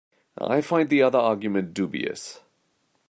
I find the other argument dubious.